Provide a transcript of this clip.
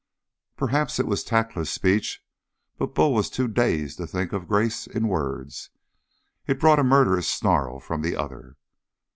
Perhaps it was a tactless speech, but Bull was too dazed to think of grace in words. It brought a murderous snarl from the other.